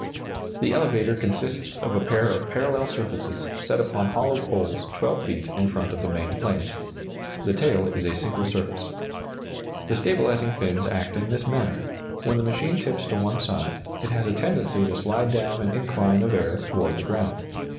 ] The elevator consists of a pair of parallel surfaces set upon hollow poles 12 feet in front of the main planes. The tail is a single surface. The stabilizing fins act in this manner: when the machine tips to one side, it has a tendency to slide down an incline of air toward the ground.